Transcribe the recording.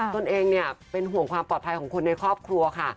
ตัวเองเนี่ยเป็นห่วงความปลอดภัยของคนในครอบครัวค่ะ